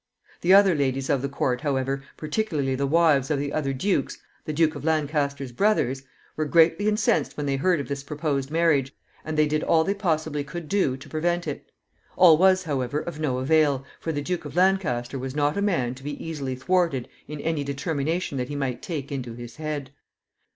The other ladies of the court, however, particularly the wives of the other dukes the Duke of Lancaster's brothers were greatly incensed when they heard of this proposed marriage, and they did all they possibly could do to prevent it. All was, however, of no avail, for the Duke of Lancaster was not a man to be easily thwarted in any determination that he might take into his head.